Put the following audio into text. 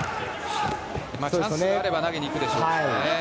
チャンスがあれば投げにいくでしょうからね。